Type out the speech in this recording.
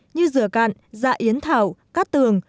như dừa cạn dạ yến thảo cát tường